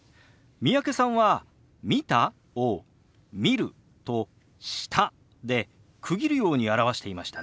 三宅さんは「見た？」を「見る」と「した」で区切るように表していましたね。